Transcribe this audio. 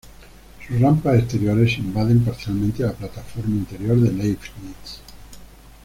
Sus rampas exteriores invaden parcialmente la plataforma interior de Leibnitz.